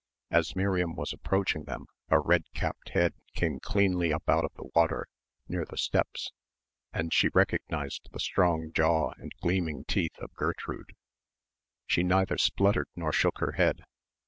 As Miriam was approaching them a red capped head came cleanly up out of the water near the steps and she recognised the strong jaw and gleaming teeth of Gertrude. She neither spluttered nor shook her head.